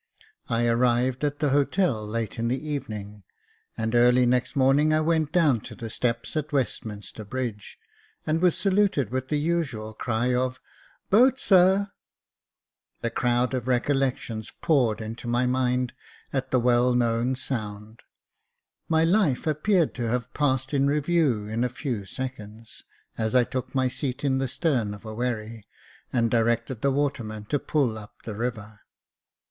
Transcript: I arrived at the hotel late in the evening, and early next morning I went down to the steps at Westminster Bridge, and was saluted with the usual cry of " Boat, sir ?" A crowd of recollections poured into my mind at the well known sound ; my life appeared to have passed in review in a few seconds, as I took my seat in the stern of a wherry, and directed the waterman to pull up the river.